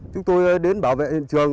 chúng tôi đến bảo vệ trường